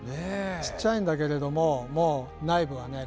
ちっちゃいんだけれども内部はね